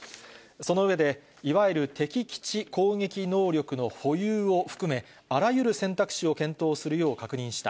その上で、いわゆる敵基地攻撃能力の保有を含め、あらゆる選択肢を検討するよう確認した。